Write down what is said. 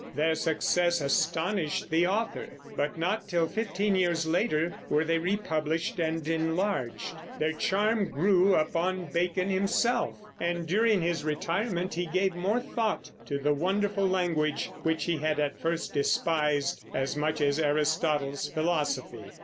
Their success astonished the author, but not till fifteen years later were they republished and enlarged. Their charm grew upon Bacon himself, and during his retirement he gave more thought to the wonderful language which he had at first despised as much as Aristotle's philosophy.